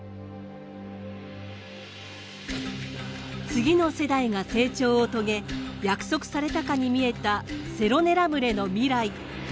次の世代が成長を遂げ約束されたかに見えたセロネラ群れの未来。